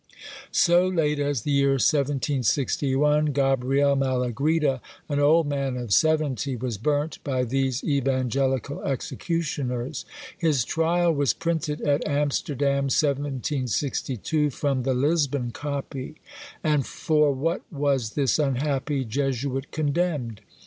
So late as the year 1761, Gabriel Malagrida, an old man of seventy, was burnt by these evangelical executioners. His trial was printed at Amsterdam, 1762, from the Lisbon copy. And for what was this unhappy Jesuit condemned?